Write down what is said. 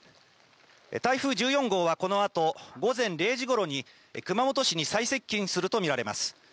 台風１４号はこのあと午前０時ごろに、熊本市に最接近すると見られます。